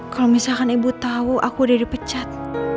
kalau misalkan ibu tau aku udah di pecat